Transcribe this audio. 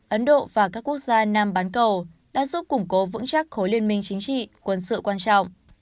ấn độ và các quốc gia nam bán cầu đã giúp củng cố vững chắc khối liên minh chính trị quân sự quan trọng